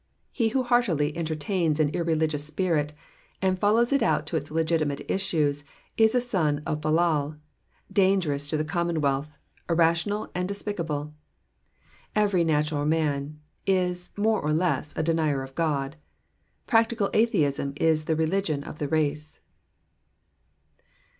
He who heartily entertains an irreligious spirit, and follows it out to its legitimate issues is a son of Belial, dangerous to the com monwealth, irrational and despicable. Every natural man is, more or less a denier of God. Practical atheism is the religion of the race.